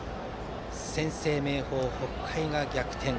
先制が明豊、北海が逆転。